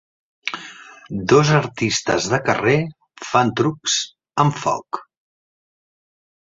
Dos artistes de carrer fan trucs amb foc